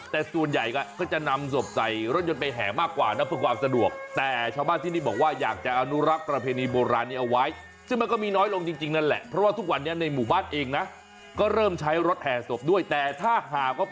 แต่ส่วนใหญ่ก็จะนำศพใส่รถยนต์ไปแห่มากกว่าเพื่อกว่าสะดวก